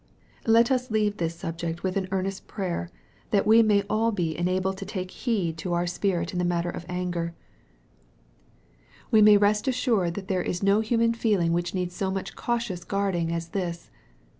Let us leave this subject with an earnest prayer, that we may all be enabled to take heed to our spirit iu the EXPOSITORY THOUGHTS. matter of anger. We may rest assured that there is no human feeling which needs so much cautious guarding as this.